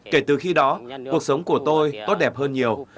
kể từ khi đó cuộc sống của tôi tốt đẹp hơn nhiều